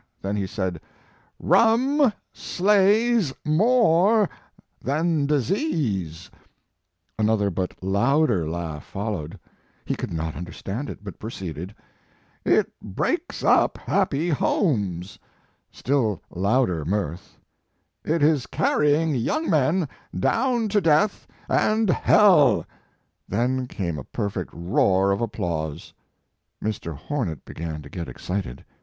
Then he said: "Rum slays more than disease !" Another, but louder laugh followed. He could not under stand it, but proceeded: "It breaks up happy homes !" Still louder mirth. It is carrying young men down to death and His Life and Werk. 151 hell !" Then came a perfect roar of ap plause. Mr. Hornet began to get ex cited.